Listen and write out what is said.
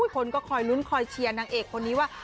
คนก็คอยลุ้นคอยเชียร์นางเอกคนนี้ว่า